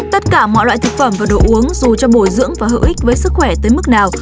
tất cả mọi loại thực phẩm và đồ uống dù cho bồi dưỡng và hữu ích với sức khỏe tới mức nào